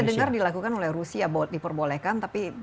ini yang saya dengar dilakukan oleh rusia diperbolehkan